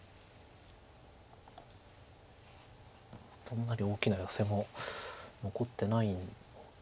あんまり大きなヨセも残ってないんで。